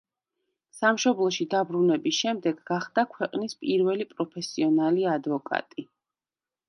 სამშობლოში დაბრუნების შემდეგ გახდა ქვეყნის პირველი პროფესიონალი ადვოკატი.